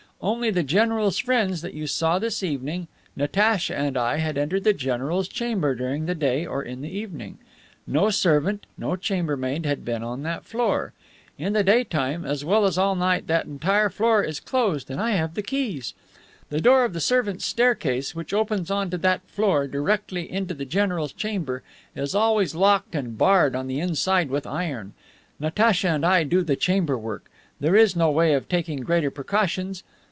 Only the general's friends that you saw this evening, Natacha and I had entered the general's chamber during the day or in the evening. No servant, no chamber maid, had been on that floor. In the day time as well as all night long that entire floor is closed and I have the keys. The door of the servants' staircase which opens onto that floor, directly into the general's chamber, is always locked and barred on the inside with iron. Natacha and I do the chamber work. There is no way of taking greater precautions.